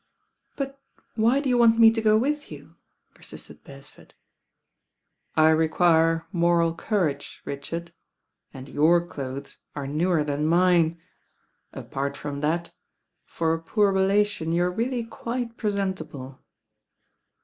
* "But why do you want me to go with you?" per sisted Beresford. "I require moral courage, Richard, and your clothes are newer than mine. Apart from that, fo" a poor relation you are really quite presentable."